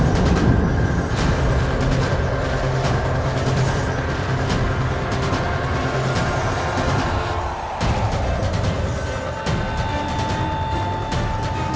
muara setelat kau menentangku